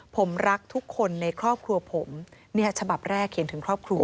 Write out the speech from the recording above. ผมรักทุกคนในครอบครัวผมเนี่ยฉบับแรกเขียนถึงครอบครัว